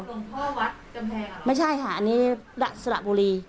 หลวงพ่อวัดกำแพงไม่ใช่ค่ะอันนี้สระบุรี